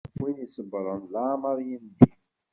Win isebṛen leεmeṛ yendim.